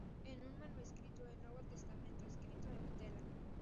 Es un manuscrito del Nuevo Testamento escrito en vitela.